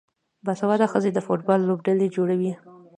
باسواده ښځې د فوټبال لوبډلې جوړوي.